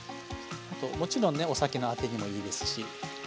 もちろんねお酒のあてにもいいですし。